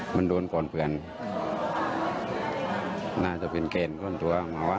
มันโดนฝ่อนเผือนน่าจะเป็นเกณฑ์ต้นตัวหรือเปล่าวะ